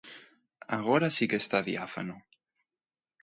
Agora si que está diáfano.